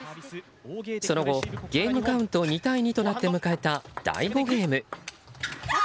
その後ゲームカウント２対２となって迎えた第５ゲーム。